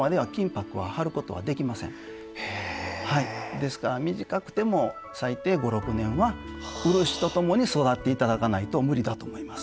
ですから短くても最低５６年は漆とともに育って頂かないと無理だと思います。